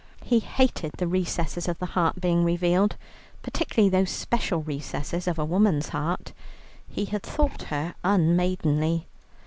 He hated the recesses of the heart being revealed, particularly those special recesses of a woman's heart; he had thought her unmaidenly.